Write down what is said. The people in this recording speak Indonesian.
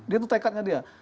itu tekadnya dia